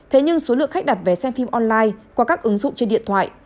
thế nhưng số lượng khách đặt vé xem phim online qua các ứng dụng trên điện thoại